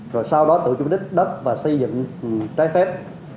rồi sau đó tự chủ đích đất và xây dựng trái phép